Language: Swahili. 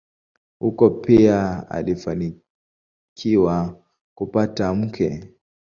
Huko pia alifanikiwa kupata mke.